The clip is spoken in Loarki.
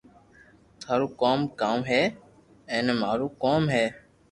ٿارو ڪوم ڪاو ھي ايئي مارو ڪوم ھي